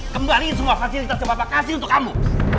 kembaliin semua fasilitas yang papa kasih untuk kamu